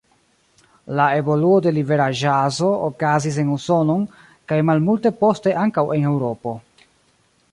La evoluo de libera ĵazo okazis en Usonon kaj malmulte poste ankaŭ en Eŭropo.